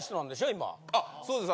今あっそうです